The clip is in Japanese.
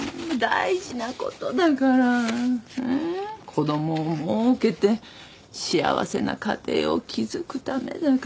子供をもうけて幸せな家庭を築くためだから。